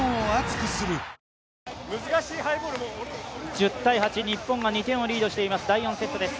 １０−８、日本が２点をリードしています、第４セットです。